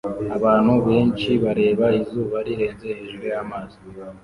Abantu benshi bareba izuba rirenze hejuru y'amazi